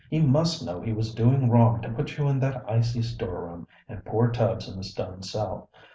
"He must know he was doing wrong to put you in that icy storeroom and poor Tubbs in the stone cell.